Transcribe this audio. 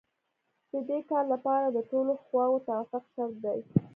د دې کار لپاره د ټولو خواوو توافق شرط دی.